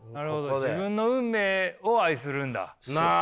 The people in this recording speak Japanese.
自分の運命を愛するんだ。